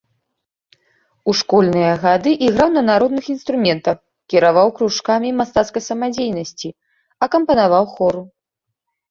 У школьныя гады іграў на народных інструментах, кіраваў кружкамі мастацкай самадзейнасці, акампанаваў хору.